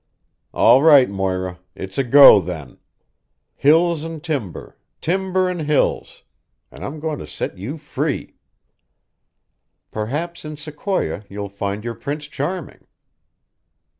"All right, Moira. It's a go, then. Hills and timber timber and hills and I'm going to set you free. Perhaps in Sequoia you'll find your Prince Charming.